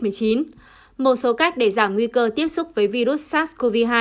một số cách để giảm nguy cơ tiếp xúc với virus sars cov hai